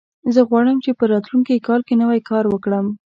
زه غواړم چې په راتلونکي کال کې نوی کار وکړم